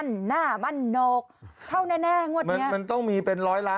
เจ๊ฟองเบียร์จ้า